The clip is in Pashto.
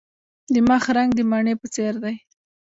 د مخ رنګ د مڼې په څیر دی.